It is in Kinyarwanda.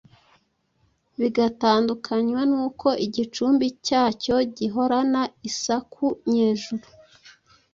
bigatandukanywa n’uko igicumbi cyacyo gihorana isaku nyejuru